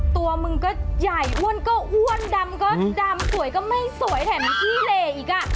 ตัวมึงก็ใหญ่อ้วนก็อ้วนดำก็ดำสวยก็ไม่สวยแถมขี้เหลอีกอ่ะ